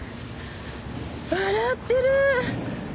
笑ってる！